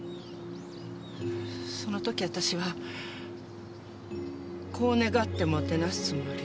その時私はこう願ってもてなすつもりよ。